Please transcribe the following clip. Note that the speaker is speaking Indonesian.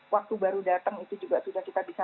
waktu baru datang itu juga sudah kita bisa